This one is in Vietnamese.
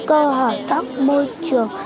cơ hỏi các môi trường